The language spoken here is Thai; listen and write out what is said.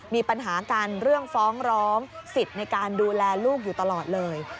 มีปัญหากันเรื่องฟ้องร้องสิทธิ์ในการดูแลลูกอยู่ตลอดเลย